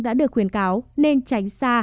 đã được khuyến cáo nên tránh xa